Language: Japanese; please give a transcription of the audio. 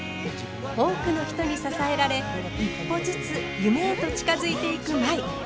多くの人に支えられ一歩ずつ夢へと近づいていく舞。